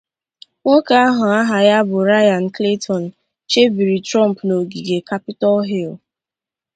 Nwoke ahụ aha ya bụ Ryan Clayton chebiri Trump n’ogige Capitol Hill